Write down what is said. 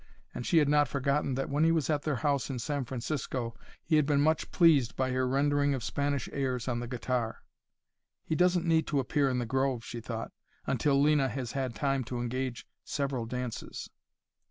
And she had not forgotten that when he was at their house in San Francisco he had been much pleased by her rendering of Spanish airs on the guitar. "He doesn't need to appear in the grove," she thought, "until Lena has had time to engage several dances."